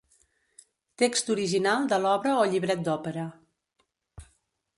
Text original de l'obra o llibret d'òpera.